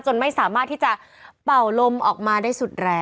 ไม่สามารถที่จะเป่าลมออกมาได้สุดแรง